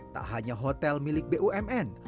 tak hanya hotel milik bumn